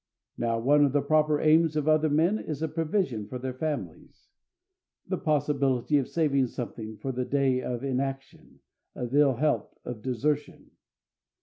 Now one of the proper aims of other men is a provision for their families; the possibility of saving something for the day of inaction, of ill health, of desertion.